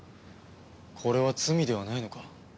これは罪ではないのか？